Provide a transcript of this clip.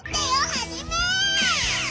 ハジメ！